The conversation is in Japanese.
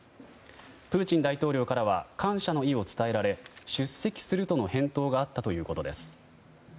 プーチン大統領からは感謝の意を伝えられ出席するとの返答があったということです。